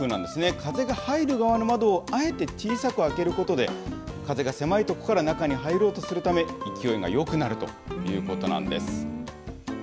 風が入る側の窓をあえて小さく開けることで、風が狭い所から中に入ろうとするため、勢いがよくなるということなんです。